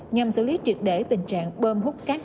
nhằm xử lý triệt để tình trạng bơm hút cát